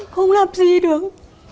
không làm gì được